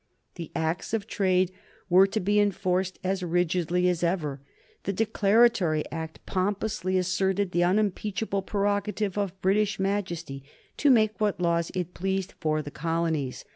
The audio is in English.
The Acts of Trade were to be enforced as rigidly as ever. The Declaratory Act pompously asserted the unimpeachable prerogative of British Majesty to make what laws it pleased for the colonies.